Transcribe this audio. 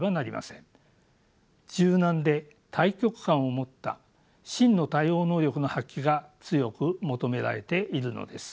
柔軟で大局観を持った真の対応能力の発揮が強く求められているのです。